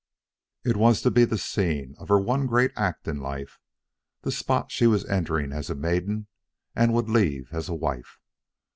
It was to be the scene of her one great act in life; the spot she was entering as a maiden and would leave as a wife.